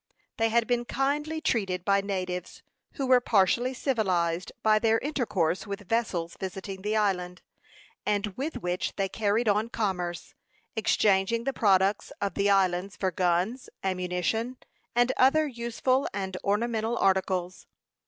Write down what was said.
They had been kindly treated by natives, who were partially civilized by their intercourse with vessels visiting the island, and with which they carried on commerce, exchanging the products of the island for guns, ammunition, and other useful and ornamental articles.